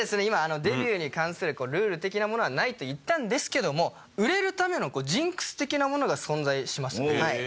今デビューに関するルール的なものはないと言ったんですけども売れるためのジンクス的なものが存在します。